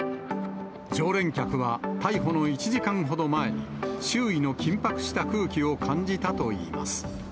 常連客は逮捕の１時間ほど前に、周囲の緊迫した空気を感じたといいます。